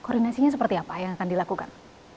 koordinasinya seperti apa yang akan dilakukan